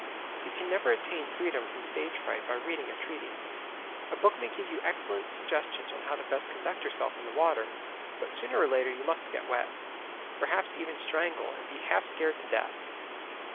You can never attain freedom from stage fright by reading a treatise. A book may give you excellent suggestions on how best to conduct yourself in the water, but sooner or later you must get wet, perhaps even strangle and be "half scared to death."